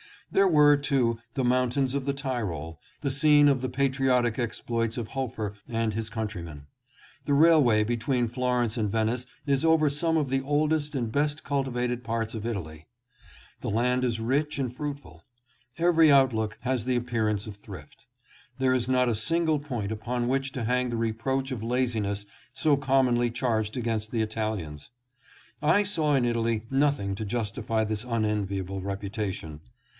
There were, too, the mountains of the Tyrol, the scene of the patriotic exploits of Hofer and his countrymen. The railway between Florence and Venice is over some of the oldest and best cultivated parts of Italy. The land is rich and fruitful. Every outlook has the appearance of thrift. There is not a single point upon which to hang the reproach of laziness so commonly charged against the Italians. I saw in Italy nothing to justify this unen viable reputation.